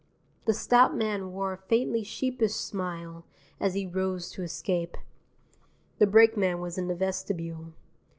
The stout man wore a faintly sheepish smile as he rose to escape. The brakeman was in the vestibule.